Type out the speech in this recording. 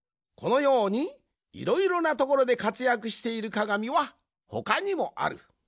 このようにいろいろなところでかつやくしているかがみはほかにもある。